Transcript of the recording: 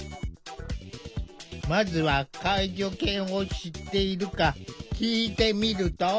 まずは介助犬を知っているか聞いてみると。